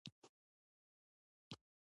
لیلی په باغ کي سره مڼه شوه